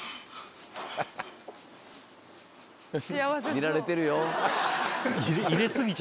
見られてるよ。